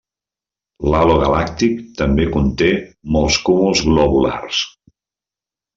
L'halo galàctic també conté molts cúmuls globulars.